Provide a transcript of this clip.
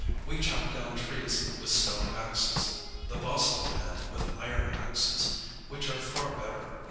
We chop down trees with stone axes; the Boston man with iron axes, which are far better.